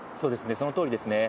そのとおりですね。